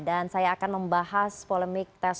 dan saya akan membahas polemik tes